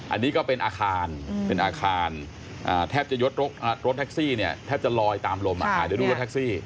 อันนี้ก็เป็นอาคารเป็นอาคารแทบจะยดรถแท็กซี่เนี่ยแทบจะลอยตามลมเดี๋ยวดูรถแท็กซี่